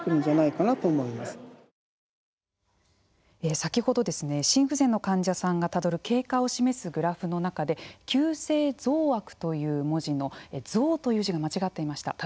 先ほど心不全の患者さんがたどる経過を示すグラフの中で急性増悪という文字のぞうという文字が間違っていました